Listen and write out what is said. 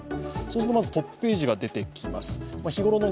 まずトップページが出てきます。